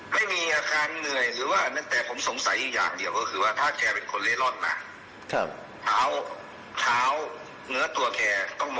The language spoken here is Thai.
พวกนั้นถ้าดูในรูปหรือว่าดูในอะไรที่ผมถ่าย